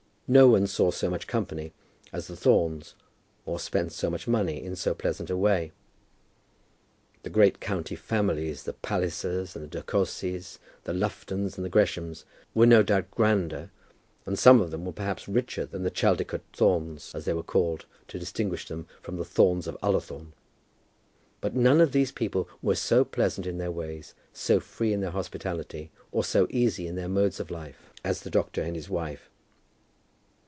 No one saw so much company as the Thornes, or spent so much money in so pleasant a way. The great county families, the Pallisers and the De Courcys, the Luftons and the Greshams, were no doubt grander, and some of them were perhaps richer than the Chaldicote Thornes, as they were called to distinguish them from the Thornes of Ullathorne; but none of these people were so pleasant in their ways, so free in their hospitality, or so easy in their modes of living, as the doctor and his wife.